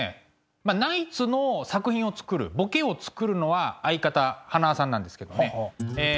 ナイツの作品をつくるボケをつくるのは相方塙さんなんですけどねえ